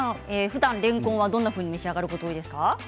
ふだん、れんこんはどのように召し上がることが多いですか？